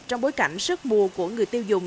trong bối cảnh sức mua của người tiêu dùng